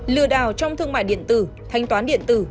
lừa đảo trong thương mại điện tử thanh toán điện tử